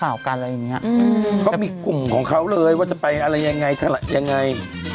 แล้วกันอะไรมีกลุ่มของเขาเลยว่าจะไปอะไรยังไงคาระยังไง